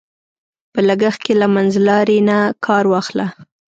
په لګښت کې له منځلارۍ نه کار واخله.